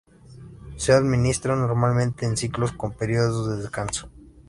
Se administran normalmente en ciclos con períodos de descanso.